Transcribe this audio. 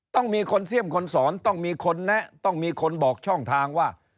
ต้องมีคนเสี่ยมคนสอนต้องมีคนแนะต้องมีคนบอกช่องทางว่า